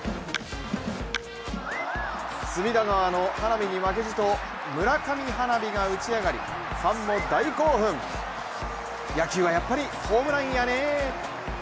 隅田川の花火に負けじと村上花火が打ち上がり、ファンも大興奮、野球はやっぱりホームランやね。